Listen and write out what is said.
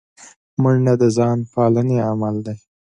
منډه د ځان پالنې عمل دی